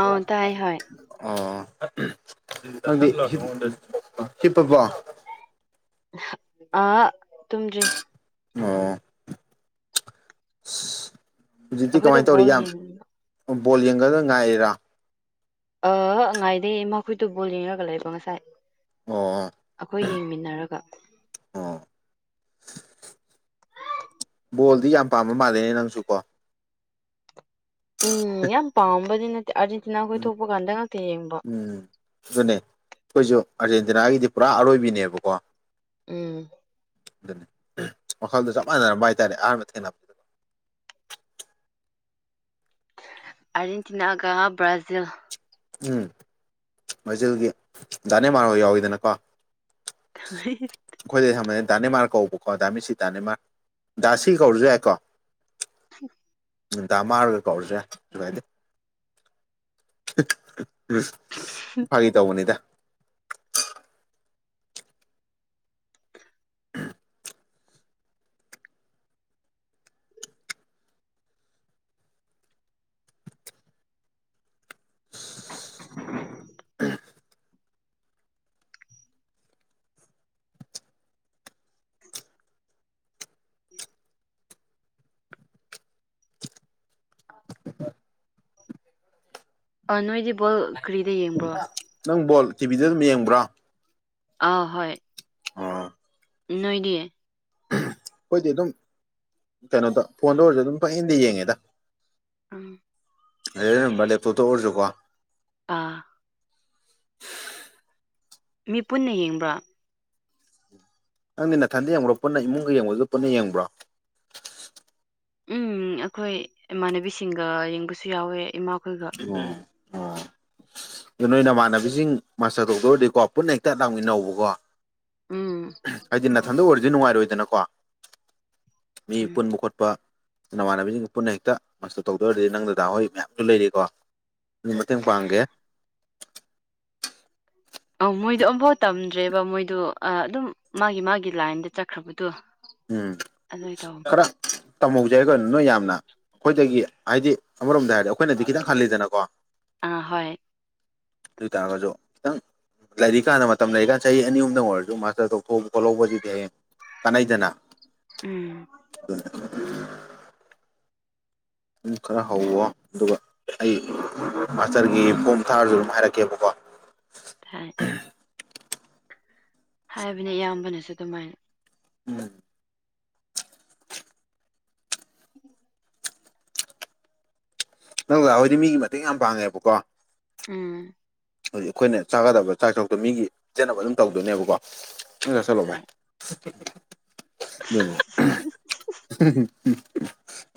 ꯑꯥ ꯇꯥꯏ ꯍꯣꯏ ꯑꯣ ꯑꯗꯨꯗꯤ ꯍꯤꯞ ꯍꯤꯞꯄꯕꯣ ꯑꯥ ꯇꯨꯝꯗ꯭ꯔꯤ ꯑꯣ ꯍꯨꯖꯤꯛꯇꯤ ꯑꯩꯈꯣꯏꯗꯣ ꯀꯃꯥꯏ ꯇꯧꯔꯤ ꯕꯣꯜ ꯌꯥꯝ ꯌꯦꯡ ꯕꯣꯜ ꯌꯦꯡꯒꯗ ꯉꯥꯏꯔꯤꯔꯥ ꯑ ꯉꯥꯏꯗꯦ ꯏꯃꯥꯈꯣꯏꯗꯨ ꯕꯣꯜ ꯌꯦꯡꯔꯒ ꯂꯩꯕ ꯉꯁꯥꯏ ꯑꯈꯣꯏ ꯌꯦꯡꯃꯤꯟꯅꯔꯒ ꯑ ꯕꯣꯜꯗꯤ ꯌꯥꯝ ꯄꯥꯝꯕ ꯃꯥꯜꯂꯦꯅꯦ ꯅꯪꯁꯨ ꯀꯣ ꯎꯝ ꯌꯥꯝ ꯄꯥꯝꯕꯗꯤ ꯅꯠꯇꯦ ꯑꯥꯔꯖꯦꯟꯇꯤꯅꯥ ꯈꯣꯏ ꯊꯣꯛꯄ ꯀꯥꯟꯗ ꯉꯥꯛꯇ ꯌꯦꯡꯕ ꯗꯨꯅꯦ ꯈꯣꯏꯖꯨ ꯑꯥꯔꯖꯦꯟꯇꯤꯅꯥꯒꯤꯗꯤ ꯄꯨꯔꯥ ꯑꯔꯣꯏꯕꯤꯅꯦꯕꯀꯣ ꯎꯝ ꯗꯨꯅꯤ ꯋꯥꯈꯜꯗꯨ ꯆꯞ ꯃꯥꯟꯅꯔꯝꯕ ꯍꯥꯏꯇꯥꯔꯦ ꯑꯍꯥꯟꯕ ꯊꯦꯡꯅꯞ ꯑꯥꯔꯦꯟꯇꯤꯅꯥꯒ ꯕ꯭ꯔꯥꯖꯤꯜ ꯎꯝ ꯃꯥꯖꯤꯜꯒꯤ ꯗꯥꯅꯦꯃꯥꯔꯍꯣꯏ ꯌꯥꯎꯋꯤꯗꯅꯀꯣ [unintelligible] ꯑꯈꯣꯏꯗꯤ ꯑꯌꯥꯝꯕꯅ ꯗꯥꯅꯦꯃꯥꯔ ꯀꯧꯕꯀꯣ ꯗꯥꯃꯤꯁꯤ ꯗꯥꯅꯦꯃꯥꯔ ꯗꯥꯁꯤ ꯀꯧꯔꯖꯨ ꯌꯥꯏꯀꯣ [unintelligible] ꯎꯝ ꯗꯥꯃꯥꯔꯒ ꯀꯧꯔꯖꯨ ꯌꯥꯏ ꯁꯨꯒꯥꯏꯗꯦ ꯐꯥꯒꯤ ꯇꯧꯕꯅꯤꯗ [unintelligible] [unintelligible] ꯑꯥ ꯅꯣꯏꯗꯤ ꯕꯣꯜ ꯀꯔꯤꯗ ꯌꯦꯡꯕ꯭ꯔꯣ ꯅꯪ ꯕꯣꯜ ꯇꯤꯚꯤꯗ ꯗꯨꯝ ꯌꯦꯡꯕ꯭ꯔꯥ ꯑꯥ ꯍꯣꯏ ꯑꯣ ꯅꯣꯏꯗꯤ ꯈꯣꯏꯗꯤ ꯑꯗꯨꯝ ꯀꯩꯅꯣꯗ ꯐꯣꯟꯗ ꯑꯣꯏꯔꯖꯨ ꯑꯗꯨꯝ ꯄꯌꯦꯡꯗ ꯌꯦꯡꯉꯦꯗ ꯎꯝ [unintelligible] ꯂꯦꯞꯇꯣꯞꯇ ꯑꯣꯏꯔꯖꯨꯀꯣ ꯑꯥ ꯃꯤ ꯄꯨꯟꯅ ꯌꯦꯡꯕ꯭ꯔꯥ ꯅꯪꯗꯤ ꯅꯥꯊꯟꯗ ꯌꯦꯡꯕꯔꯣ ꯄꯨꯟꯅ ꯏꯃꯨꯡꯒ ꯌꯦꯡꯕꯖꯨ ꯄꯨꯟꯅ ꯌꯦꯡꯕ꯭ꯔꯣ ꯎꯝ ꯑꯈꯣꯏ ꯏꯃꯥꯟꯅꯕꯤꯁꯤꯡꯒ ꯌꯦꯡꯕꯁꯨ ꯌꯥꯎꯋꯦ ꯏꯃꯥꯈꯣꯏꯒ ꯑꯣ ꯗꯨ ꯅꯣꯏ ꯅꯃꯥꯟꯅꯕꯤꯖꯤꯡ ꯃꯥꯁꯇꯔ ꯇꯧꯗꯣꯔꯗꯤꯀꯣ ꯄꯨꯟꯅ ꯍꯦꯛꯇ ꯂꯥꯛꯃꯤꯟꯅꯧꯕꯀꯣ ꯎꯝ ꯍꯥꯏꯗꯤ ꯅꯊꯟꯗ ꯑꯣꯏꯔꯗꯤ ꯅꯨꯉꯥꯏꯔꯣꯏꯗꯅꯀꯣ ꯃꯤ ꯎꯝ ꯄꯨꯟꯕ ꯈꯣꯠ ꯑꯄ ꯅꯃꯥꯟꯅꯕꯤꯁꯤꯡꯒ ꯄꯨꯟꯅ ꯍꯦꯛꯇ ꯃꯥꯁꯇ꯭ꯔ ꯇꯧꯗ ꯑꯣꯏꯔꯗꯤ ꯅꯪ ꯗꯗꯥ ꯍꯣꯏ ꯃꯌꯥꯝꯁꯨ ꯂꯩꯔꯤꯀꯣ ꯑꯗꯨꯝ ꯃꯇꯦꯡ ꯄꯥꯡꯒꯦ ꯑꯧ ꯃꯣꯏꯗꯣ ꯑꯃꯝꯐꯥꯎ ꯇꯝꯗ꯭ꯔꯦꯕ ꯃꯣꯏꯗꯣ ꯑꯗꯨꯝ ꯃꯥꯒꯤ ꯃꯥꯒꯤ ꯂꯥꯏꯟꯗ ꯆꯠꯈ꯭ꯔꯕꯗꯣ ꯎꯝ ꯑꯗꯨꯏ ꯇꯧꯕ ꯈꯔ ꯇꯝꯍꯧꯖꯦ ꯍꯥꯏꯌꯨ ꯀꯩꯅꯣ ꯅꯣꯏ ꯌꯥꯝꯅ ꯑꯩꯈꯣꯏꯗꯒꯤ ꯍꯥꯏꯗꯤ ꯑꯃꯔꯣꯝꯗ ꯍꯥꯏꯔꯗꯤ ꯑꯩꯈꯣꯏꯅꯗꯤ ꯈꯤꯇꯪ ꯍꯜꯂꯤꯗꯅꯀꯣ ꯑꯥ ꯍꯣꯏ ꯑꯗꯣꯏꯇꯥꯔꯒꯥꯁꯨ ꯈꯤꯇꯪ ꯂꯥꯏꯔꯤꯛ ꯀꯥꯟꯗ ꯃꯇꯝ ꯂꯩꯔꯤꯀꯥꯟ ꯆꯍꯤ ꯑꯅꯤ ꯑꯍꯗꯪ ꯑꯣꯏꯔꯁꯨ ꯃꯥꯁꯇꯔ ꯇꯧꯊꯣꯛ ꯈꯣꯠꯍꯧꯕꯁꯤꯗꯤ ꯍꯌꯦꯡ ꯀꯥꯟꯅꯩꯗꯅ ꯎꯝ ꯑꯗꯨꯅꯦ ꯑꯗꯨꯝ ꯈꯔ ꯍꯧꯋꯣ ꯑꯗꯨꯒ ꯑꯩ ꯃꯥꯁꯇꯔꯒꯤ ꯐꯣꯝ ꯊꯥꯔꯁꯨ ꯑꯗꯨꯝ ꯍꯥꯏꯔꯛꯀꯦꯕꯀꯣ ꯍꯣꯏ ꯍꯥꯏꯕꯅ ꯏꯌꯥꯝꯕꯅꯁꯨ ꯑꯗꯨꯃꯥꯏꯅ ꯎꯝ ꯎꯝ ꯅꯪ ꯗꯥꯗꯥꯈꯣꯏꯗꯤ ꯃꯤꯒꯤ ꯃꯇꯦꯡ ꯌꯥꯝ ꯄꯥꯡꯉꯦꯕꯀꯣ ꯎꯝ ꯍꯧꯖꯤꯛ ꯑꯩꯈꯣꯏꯅ ꯆꯥꯒꯗꯕ ꯆꯥꯛ ꯁꯔꯨꯛꯇꯣ ꯃꯤꯒꯤ ꯆꯦꯟꯅꯕ ꯑꯗꯨꯝ ꯇꯧꯗꯣꯏꯅꯦꯕꯀꯣ ꯅꯪ ꯆꯥꯁꯤꯜꯂꯣ ꯚꯥꯏ ꯍꯥꯏ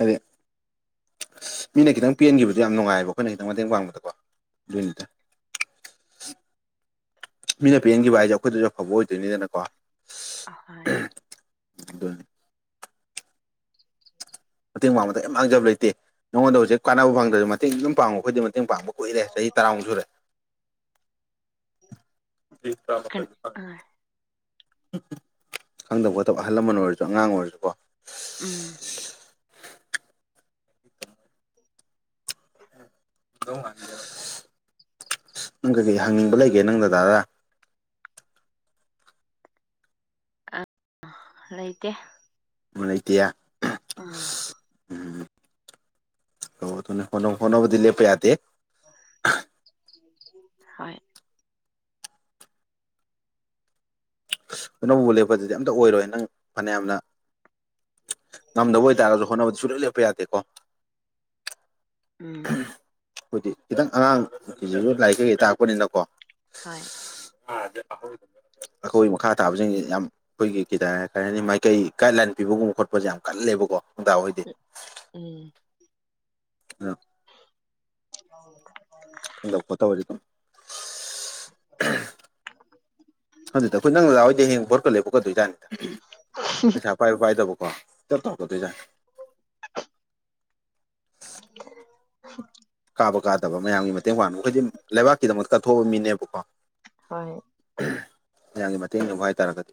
ꯑꯗꯨ [unintelligible] ꯃꯤꯅ ꯈꯤꯇꯪ ꯄꯦꯟꯈꯤꯕꯗꯣ ꯌꯥꯝ ꯅꯨꯡꯉꯥꯏꯑꯕ ꯑꯩꯈꯣꯏꯅ ꯈꯤꯇꯪ ꯃꯇꯦꯡ ꯄꯥꯡꯕꯗꯀꯣ ꯑꯗꯨꯏꯅꯤꯗ ꯃꯤꯅ ꯄꯦꯟꯈꯤꯕ ꯍꯥꯏꯁꯦ ꯑꯩꯈꯣꯏꯗꯁꯨ ꯑꯐꯕ ꯑꯣꯏꯗꯣꯏꯅꯤꯗꯅꯀꯣ ꯑꯍꯣꯏ ꯑꯗꯨꯅꯤ ꯃꯇꯦꯡ ꯄꯥꯡꯕꯗ ꯀꯩꯝ ꯃꯥꯡꯖꯕ ꯂꯩꯇꯦ ꯅꯉꯣꯟꯗ ꯍꯧꯖꯤꯛ ꯀꯥꯟꯅꯕ ꯐꯥꯡꯗ꯭ꯔꯁꯨ ꯃꯇꯦꯡ ꯑꯗꯨꯝ ꯄꯥꯡꯉꯨ ꯑꯩꯈꯣꯏꯗꯗꯤ ꯃꯇꯦꯡ ꯄꯥꯡꯕ ꯀꯨꯏꯔꯦ ꯆꯍꯤ ꯇꯔꯥꯃꯨꯛ ꯁꯨꯔꯦ ꯆꯍꯤ ꯇꯥꯔꯥ ꯑꯥ [unintelligible] ꯈꯪꯗꯕ ꯈꯣꯠꯇꯕ ꯑꯍꯜ ꯂꯃꯟ ꯑꯣꯏꯔꯁꯨ ꯑꯉꯥꯡ ꯑꯣꯏꯔꯁꯨꯀꯣ ꯎꯝ ꯑꯁ ꯅꯪ ꯀꯩꯀꯩ ꯍꯪꯅꯤꯡꯕ ꯂꯩꯒꯦ ꯅꯪ ꯗꯥꯗꯗꯥ ꯑ ꯂꯩꯇꯦ ꯂꯩꯇꯦ ꯌꯦ ꯑꯥ ꯇꯧꯒꯗꯧꯅꯦ ꯍꯣꯠꯅꯧ ꯍꯣꯠꯅꯕꯥꯗꯤ ꯂꯦꯞꯞ ꯌꯥꯗꯦ ꯍꯣꯏ ꯑꯅꯧꯕ ꯂꯦꯞꯄꯗꯨꯗꯤ ꯑꯝꯇ ꯑꯣꯏꯔꯣꯏ ꯅꯪ ꯐꯅꯌꯥꯝꯅ ꯉꯝꯗꯕ ꯑꯣꯏꯇꯥꯔꯁꯨ ꯍꯣꯠꯅꯕꯗ ꯁꯨꯡꯂꯦꯞ ꯂꯦꯞꯄ ꯌꯥꯗꯦꯀꯣ ꯎꯝ ꯑꯥꯈꯣꯏꯗꯤ ꯈꯤꯇꯪ ꯑꯉꯥꯡꯁꯤꯁꯤꯁꯨ ꯂꯥꯏꯔꯤꯛ ꯀꯩꯀꯩ ꯇꯥꯛꯄꯅꯤꯅꯀꯣ ꯍꯣꯏ ꯑꯗ ꯑ [unintelligible] ꯑꯩꯈꯣꯏ ꯃꯈꯥ ꯇꯥꯕꯁꯤꯡꯁꯤ ꯌꯥꯝ ꯑꯩꯈꯣꯏꯒꯤ ꯈꯤꯗ ꯍꯥꯏ ꯍꯥꯏꯅꯤ ꯃꯥꯏꯀꯩ ꯒꯥ꯭ꯏꯗꯂꯥꯏꯟ ꯄꯤꯕꯒꯨꯝꯕ ꯈꯣꯠꯄꯁꯦ ꯌꯥꯝ ꯀꯜꯂꯦꯕꯀꯣ ꯅꯣꯏ ꯗꯥꯈꯣꯏ ꯎꯝ ꯎ [unintelligible] ꯑꯣ [unintelligible] ꯀ [unintelligible] [unintelligible] ꯑꯗꯨꯗ ꯑꯈꯣꯏ ꯅꯪ ꯗꯗꯥ ꯍꯣꯢꯗꯤ ꯍꯌꯦꯡ ꯕꯣꯠꯀ ꯂꯦꯞꯄꯛꯀꯗꯣꯢꯖꯥꯠꯅꯤ ꯄꯩꯁꯥ ꯄꯥꯏꯕ ꯄꯥꯏꯗꯕꯀꯣ ꯗꯞ ꯇꯧꯔꯛꯀꯗꯣꯏꯖꯥꯠꯅꯤ ꯑꯣ [unintelligible] ꯀꯥꯕ ꯀꯥꯗꯕ ꯃꯌꯥꯝꯒꯤ ꯃꯇꯦꯡ ꯄꯥꯡꯉ ꯑꯈꯣꯏꯗꯤ ꯂꯩꯕꯥꯛꯀꯤꯗꯃꯛ ꯀꯠꯊꯣꯛꯑꯕ ꯃꯤꯅꯦꯕꯀꯣ ꯍꯣꯏ ꯃꯌꯥꯝꯒꯤ ꯃꯇꯦꯡ ꯂꯧꯕ ꯍꯥꯏꯇꯥꯔꯒꯗꯤ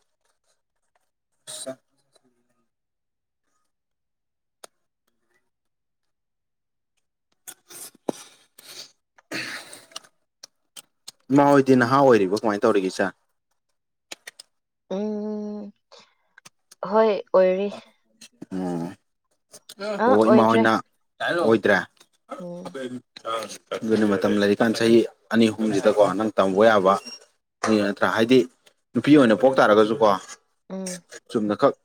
ꯏꯃꯥ ꯍꯣꯏꯗꯤ ꯅꯍꯥ ꯑꯣꯏꯔꯤꯕꯣ ꯀꯃꯥꯏꯅ ꯇꯧꯔꯤꯒꯦ ꯏꯆꯟ ꯎꯝ ꯍꯣꯏ ꯑꯣꯏꯔꯤ ꯎꯝ ꯑꯥ ꯑꯣ ꯏꯃꯥ ꯑꯣꯏꯗ꯭ꯔꯦ ꯍꯣꯏꯅ ꯑꯍꯜ ꯑꯣꯏꯗ꯭ꯔꯦ ꯎꯝ [unintelligible] ꯑꯗꯨꯅ ꯃꯇꯝ ꯂꯩꯔꯤꯀꯥꯟ ꯆꯍꯤ ꯑꯅꯤ ꯑꯍꯨꯝꯁꯤꯗꯀꯣ ꯅꯪ ꯇꯝꯒꯣ ꯌꯥꯕ ꯅꯠꯇ꯭ꯔꯥ ꯍꯥꯏꯗꯤ ꯅꯨꯄꯤ ꯑꯣꯏꯅ ꯄꯣꯛ ꯇꯥꯔꯒꯁꯨ ꯀꯣ ꯎꯝ ꯆꯨꯝꯅꯈꯛ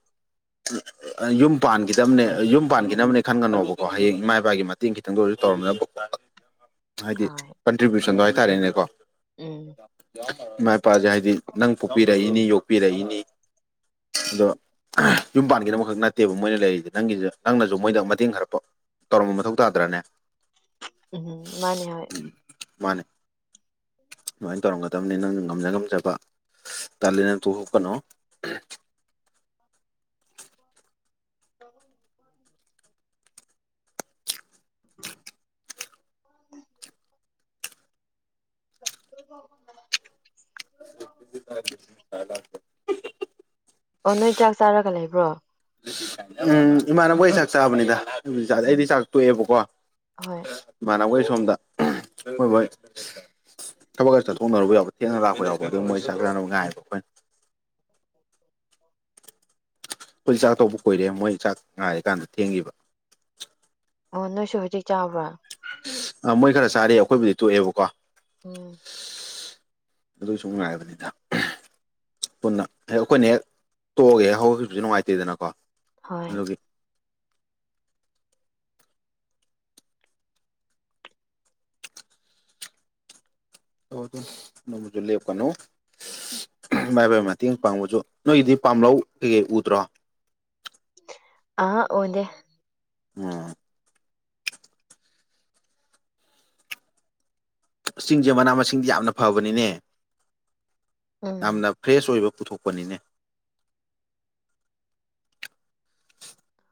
[unintelligible] ꯑꯥ ꯌꯨꯝ ꯄꯥꯟꯈꯤꯗꯕꯅꯦ ꯑꯥ ꯌꯨꯝ ꯄꯥꯟꯈꯤꯅꯕꯅꯦ ꯈꯟꯒꯅꯣꯕꯀꯣ ꯍꯌꯦꯡ ꯏꯃꯥ ꯏꯄꯥꯒꯤ ꯃꯇꯦꯡ ꯈꯤꯇꯪ ꯑꯣꯏꯔꯁꯨ ꯇꯧꯔꯝꯅꯕ ꯍꯥꯏꯗꯤ ꯍꯣꯏ ꯀꯟꯇ꯭ꯔꯤꯕ꯭ꯌꯨꯁꯟꯗꯣ ꯍꯥꯏꯇꯥꯔꯦꯅꯦꯀꯣ ꯎꯝ ꯏꯃꯥ ꯏꯄꯥꯁꯦ ꯍꯥꯏꯗꯤ ꯅꯪ ꯄꯣꯛꯄꯤꯔꯛꯏꯅꯤ ꯌꯣꯛꯄꯤꯔꯛꯏꯅꯤ ꯑꯗꯣ ꯌꯨꯝ ꯄꯥꯟꯒꯤꯅꯕꯈꯛ ꯅꯠꯇꯦꯕ ꯃꯣꯏꯅ ꯂꯩꯔꯤꯁꯦ ꯅꯪꯒꯤꯁꯨ ꯅꯪꯅꯁꯨ ꯃꯣꯏꯗ ꯃꯇꯦꯡ ꯈꯔ ꯄꯥꯡ ꯇꯧꯔꯝꯕ ꯃꯊꯧ ꯇꯥꯗ꯭ꯔꯥꯅꯦ ꯎꯝ ꯃꯥꯅꯦ ꯍꯣꯢ ꯎꯝ ꯃꯥꯅꯦ ꯑꯗꯨꯃꯥꯏ ꯇꯧꯔꯝꯒꯗꯝꯅꯦ ꯅꯪꯅ ꯉꯝꯖ ꯉꯝꯖꯕ ꯇꯜꯂꯦꯅ ꯇꯣꯛꯀꯅꯨ [unintelligible] [inaudible] [unintelligible] [unintelligible] ꯑꯣ ꯅꯣꯏ ꯆꯥꯛ ꯆꯥꯔꯒ ꯂꯩꯕ꯭ꯔꯣ ꯎꯝ ꯏꯃꯥꯟꯅꯕ ꯍꯣꯢ ꯆꯥꯛ ꯆꯥꯕꯅꯤꯗ ꯑꯩꯕꯨꯗꯤ ꯆꯥꯗꯦ ꯎꯝ ꯑꯩꯗꯤ ꯆꯥꯛ ꯇꯣꯛꯑꯦꯕꯀꯣ ꯍꯣꯏ ꯏꯃꯥꯟꯅꯕ ꯍꯣꯢ ꯁꯣꯝꯗ ꯊꯕꯛ ꯈꯔ ꯆꯠꯊꯣꯛꯅꯔꯨꯕ ꯌꯥꯎꯕ ꯊꯦꯡꯅ ꯂꯥꯛꯄ ꯌꯥꯎꯕ ꯑꯗꯨ ꯃꯣꯏ ꯆꯥꯛ ꯆꯥꯅꯕ ꯉꯥꯏꯕ ꯑꯩꯈꯣꯏꯅ [inaudible] ꯈꯣꯏꯗꯤ ꯆꯥꯛ ꯇꯣꯜꯄ ꯀꯨꯏꯔꯦ ꯃꯣꯏ ꯆꯥꯛ ꯉꯥꯏꯔꯤꯀꯥꯟꯗ ꯊꯦꯡꯉꯤꯕ ꯑꯣ ꯅꯣꯏꯁꯨ ꯍꯣꯖꯤꯛ ꯆꯥꯕ꯭ꯔꯥ ꯑꯥ ꯃꯣꯏ ꯈꯔ ꯆꯥꯔꯤ ꯑꯈꯣꯏꯕꯨꯗꯤ ꯇꯣꯛꯑꯦꯕꯀꯣ ꯑꯣ ꯑꯗꯨ ꯁꯨꯨꯝ ꯉꯥꯏꯕꯅꯤꯗ ꯄꯨꯟꯅ ꯍꯦꯛ ꯑꯩꯈꯣꯏꯅ ꯍꯦꯛ ꯇꯣꯛꯑꯒꯦ ꯍꯦꯛ ꯍꯧꯒꯠꯈꯤꯕꯁꯨ ꯅꯨꯡꯉꯥꯏꯇꯦꯗꯅꯀꯣ ꯍꯣꯏ ꯑꯗꯨꯒꯤ [unintelligible] ꯏꯃꯥꯏꯕꯥꯏ ꯃꯇꯦꯡ ꯄꯥꯡꯉꯨꯆꯣ ꯅꯣꯏꯒꯤꯗꯤ ꯄꯥꯝꯂꯧ ꯀꯩꯀꯩ ꯎꯗ꯭ꯔꯣ ꯑ ꯑꯣꯗꯦ ꯎꯝ ꯑꯁ ꯆꯤꯡꯁꯦ ꯃꯅꯥ ꯃꯁꯤꯡꯗꯤ ꯌꯥꯝꯅ ꯐꯕꯅꯤꯅꯦ ꯎꯝ ꯌꯥꯝꯅ ꯐ꯭ꯔꯦꯁ ꯑꯣꯏꯕ ꯄꯨꯊꯣꯛꯄꯅꯤꯅꯦ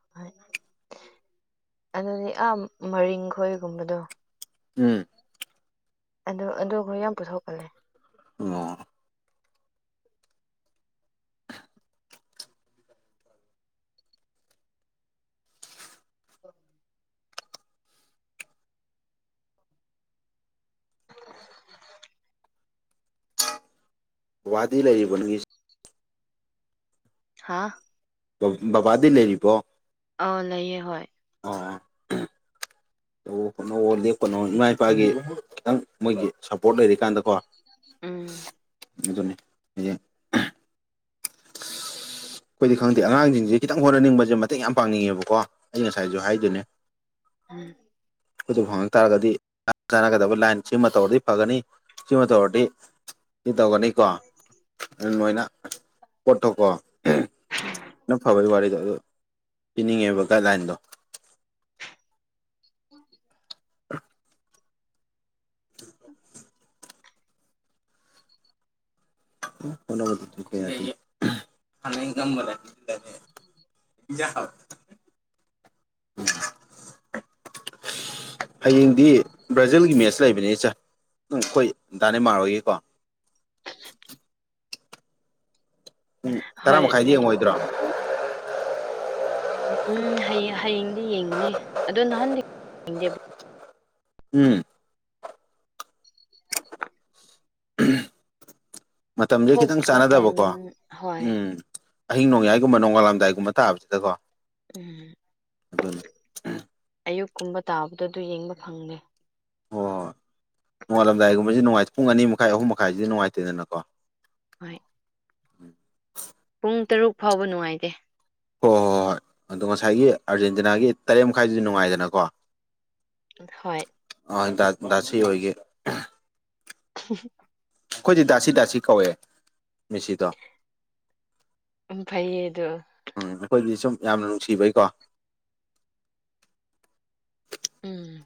[unintelligible] ꯑꯗꯨꯗꯤ ꯑꯥ ꯃꯔꯤꯡ ꯈꯣꯏꯒꯨꯝꯕꯗꯣ ꯎꯝ ꯑꯗꯨ ꯑꯗꯨ ꯑꯩꯈꯣꯏ ꯌꯥꯝ ꯄꯨꯊꯣꯛꯀꯜꯂꯦ ꯑꯣ ꯍ [unintelligible] ꯋꯥꯗꯤ ꯂꯩꯔꯤꯕꯅꯪꯒꯤꯁ ꯍꯥꯥ ꯕꯕꯥꯗꯤ ꯂꯩꯔꯤꯕꯣ ꯑꯥꯎ ꯂꯩꯌꯦ ꯍꯣꯏ ꯇꯧꯎ ꯍꯣꯠꯅꯧꯑꯣ ꯂꯦꯞꯄꯣꯠꯅꯣ ꯏꯃꯥ ꯏꯄꯥꯒꯤ ꯈꯤꯇꯪ ꯃꯣꯏꯒꯤ ꯁꯞꯄꯣꯔꯠ ꯂꯩꯔꯤꯀꯥꯟꯗꯀꯣ ꯎꯝ ꯑꯗꯨꯅꯤ ꯍꯌꯦꯡ ꯑꯩꯈꯣꯏꯗꯤ ꯈꯪꯗꯦ ꯑꯉꯥꯡꯁꯤꯡꯁꯦ ꯈꯤꯇꯪ ꯍꯣꯠꯅꯅꯤꯡꯕꯁꯦ ꯃꯇꯦꯡ ꯌꯥꯝ ꯄꯥꯡꯅꯤꯡꯉꯦꯕꯀꯣ ꯑꯩ ꯉꯁꯥꯏꯁꯨ ꯍꯥꯏꯗꯨꯅꯦ ꯎꯝ ꯑꯗꯨ ꯐꯪꯉꯛ ꯇꯥꯔꯒꯗꯤ ꯆꯥꯟꯅꯒꯗꯕ ꯂꯥꯏꯟ ꯁꯤꯃꯥ ꯇꯧꯔꯗꯤ ꯐꯒꯅꯤ ꯁꯤꯃ ꯇꯧꯒꯗꯤ ꯁꯤꯇꯧꯒꯅꯤ ꯀꯣ ꯑꯗꯨꯅꯣꯏꯅ ꯄꯣꯠꯇꯣꯀꯣ ꯎꯝ ꯅꯪ ꯐꯕꯒꯤ ꯋꯥꯔꯤꯗꯣ ꯑꯗꯨ ꯄꯤꯅꯤꯡꯉꯦꯕ ꯒꯥꯏꯗꯂꯥꯏꯟꯗꯣ [unintelligible] [unintelligible] ꯍꯝ ꯍꯣꯠꯅꯕꯗꯤ ꯂꯦꯞꯄ ꯌꯥꯗꯦ ꯎꯝ [unintelligible] ꯍꯌꯦꯡꯗꯤ ꯕ꯭ꯔꯥꯖꯤꯜꯒꯤ ꯃꯦꯠꯁ ꯂꯩꯕꯅꯤꯆꯥ ꯅꯪ ꯑꯩꯈꯣꯏ ꯗꯥ ꯅꯦꯃꯥꯔ ꯍꯣꯏꯒꯤꯀꯣ [unintelligible] ꯎꯝ ꯇꯔꯥ ꯍꯣꯏ ꯃꯈꯥꯏꯗꯤ ꯂꯩꯕꯅꯦ ꯌꯦꯡꯉꯣꯏꯗ꯭ꯔꯣꯥ ꯎꯝ ꯍꯌꯦꯡ ꯍꯌꯦꯡꯗꯤ ꯌꯦꯡꯒꯅꯤ ꯑꯗꯨ ꯅꯍꯥꯟꯗꯤ ꯌꯦꯡꯗꯦꯕ ꯎꯝ ꯎꯝ ꯃꯇꯝꯁꯦ ꯈꯤꯇꯪ ꯊꯣꯛꯄ ꯆꯥꯟꯅꯗꯕꯀꯣ ꯇꯥꯏꯃꯤꯡ ꯍꯣꯏ ꯎꯝ ꯑꯍꯤꯡ ꯅꯣꯡꯌꯥꯏꯒꯨꯝꯕ ꯅꯣꯡꯉꯥꯜꯂꯝꯗꯥꯏꯒꯨꯝꯕ ꯇꯥꯕꯁꯤꯗꯀꯣ ꯎꯝ ꯑꯗꯨꯅꯤ ꯑꯌꯨꯛꯀꯨꯝꯕ ꯇꯥꯕꯗ ꯑꯗꯨ ꯌꯦꯡꯕ ꯐꯪꯗꯦ ꯍꯣꯏ ꯍꯣꯏ ꯅꯣꯡꯉꯥꯜꯂꯝꯗꯥꯏꯒꯨꯝꯕꯁꯤ ꯅꯨꯡꯉꯥꯏꯇꯦ ꯄꯨꯡ ꯑꯅꯤ ꯃꯈꯥꯏ ꯑꯍꯨꯝ ꯃꯈꯥꯏꯁꯤꯗꯤ ꯅꯨꯡꯉꯥꯏꯇꯦꯗꯅꯀꯣ ꯍꯣꯏ ꯄꯨꯡ ꯇꯔꯨꯛ ꯐꯥꯎꯕ ꯅꯨꯡꯉꯥꯏꯇꯦ ꯍꯣꯏ ꯍꯣꯏ ꯍꯣꯏ ꯍꯣꯏ ꯑꯗꯣ ꯉꯁꯥꯏꯒꯤ ꯑꯥꯔꯖꯦꯟꯇꯤꯅꯥꯒꯤ ꯇꯔꯦꯠ ꯃꯈꯥꯏꯗꯨꯗꯤ ꯅꯨꯡꯉꯥꯏꯗꯅꯀꯣ ꯍꯣꯏ ꯑꯥ ꯗꯥ ꯗꯥꯁꯤ ꯍꯣꯏꯒꯤ [unintelligible] ꯑꯩꯈꯣꯏꯗꯤ ꯗꯥꯁꯤ ꯗꯥꯁꯤ ꯀꯧꯋꯦ ꯃꯦꯁꯤꯗꯣ ꯎꯝ ꯐꯩꯌꯦ ꯑꯗꯣ ꯎꯝ ꯑꯩꯈꯣꯏꯗꯤ ꯁꯨꯝ ꯌꯥꯝꯅ ꯅꯨꯡꯁꯤꯕꯩꯀꯣ꯫ ꯎꯝ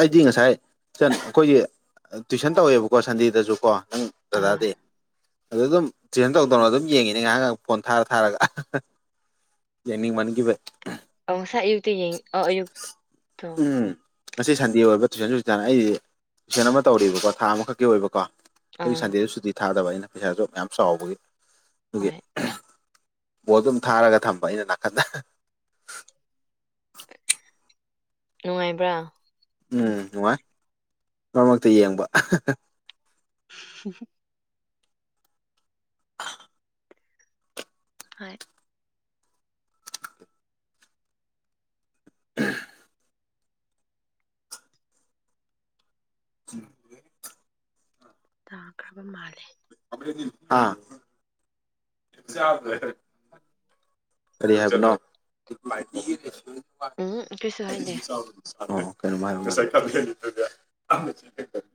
ꯑꯩꯗꯤ ꯉꯁꯥꯏ ꯏꯆꯟ ꯑꯩꯈꯣꯏꯒꯤ ꯇꯨꯏꯁꯟ ꯇꯧꯋꯦꯕꯀꯣ ꯁꯟꯗꯦꯗꯁꯨꯀꯣ ꯅꯪ ꯑꯥ ꯗꯗꯥꯗꯤ ꯑꯗ ꯑꯗꯨꯝ ꯇꯨꯏꯁꯟ ꯇꯧ ꯇꯧꯅ ꯑꯗꯨꯝ ꯌꯦꯡꯉꯤꯅꯦ ꯉꯥꯏꯍꯥꯛ ꯉꯥꯏꯍꯥꯛ ꯐꯣꯟ ꯊꯥꯔ ꯊꯥꯔꯒ ꯌꯦꯅꯤꯡ ꯃꯟꯈꯤꯕꯩ [unintelligible] ꯑ ꯉꯁꯥꯏ ꯑꯌꯨꯛꯇꯤ ꯌꯦꯡ ꯑ ꯑꯌꯨꯛ ꯇꯣ ꯎꯝ ꯉꯁꯤ ꯁꯟꯗꯦ ꯑꯣꯏꯕ ꯇꯨꯏꯁꯟ ꯁꯨꯇꯤ [unintelligible] ꯑꯩꯗꯤ ꯇꯨꯏꯁꯟ ꯑꯃ ꯇꯧꯔꯤꯕꯀꯣ ꯊꯥ ꯑꯃꯈꯛꯀꯤ ꯑꯣꯏꯕꯀꯣ ꯑꯩꯒꯤ ꯑꯥ ꯁꯟꯗꯦꯗ ꯁꯨꯇꯤ ꯊꯥꯗꯕ ꯑꯩꯅ ꯄꯩꯁꯥꯁꯨ ꯃꯌꯥꯝ ꯆꯥꯎꯕꯒꯤ ꯑꯗꯨꯒꯤ ꯍꯣꯏ ꯕꯣꯜ ꯑꯗꯨꯝ ꯊꯥꯔꯒ ꯊꯝꯕ ꯑꯩꯅ ꯅꯥꯀꯟꯗ ꯅꯨꯡꯉꯥꯏꯕ꯭ꯔꯥ? ꯎꯝ ꯅꯨꯡꯉꯥꯏ ꯃꯔꯛ ꯃꯔꯛꯇ ꯌꯦꯡꯕ [unintelligible] [unintelligible] ꯍꯣꯏ [unintelligible] [unintelligible] ꯇꯥꯈꯔꯕ ꯃꯥꯜꯂꯦ ꯑꯈꯣꯏꯗꯤ ꯄꯥ ꯆꯥꯗ꯭ꯔꯦꯗ ꯀꯔꯤ ꯍꯥꯏꯕꯅꯣ ꯎꯝ ꯀꯩꯁꯨ ꯍꯥꯏꯗꯦ ꯑꯣ [unintelligible]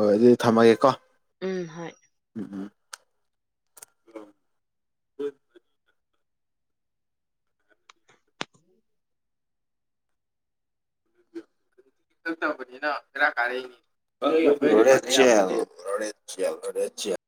ꯍꯣꯏ ꯑꯗꯨꯗꯤ ꯊꯝꯃꯒꯦꯀꯣ ꯎꯝ ꯍꯣꯏ ꯎꯝ ꯎꯝ [inaudible] ꯏꯆꯝ ꯆꯝꯕꯅꯤꯅ ꯕꯦꯔꯥ ꯀꯔꯥꯛꯏꯅꯤ ꯫ ꯔꯦꯠ ꯖꯦꯜ ꯔꯦꯠ ꯖꯦꯜ ꯔꯦꯠ ꯖꯦꯜ